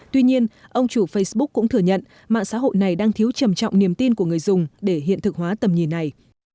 tuy nhiên ông chủ facebook cũng thừa nhận mạng xã hội này đang thiếu trầm trọng niềm tin của người dùng để hiện thực hóa tầm nhìn này